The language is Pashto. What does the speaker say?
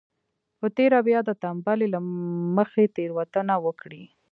په تېره بيا د تنبلۍ له مخې تېروتنه وکړي.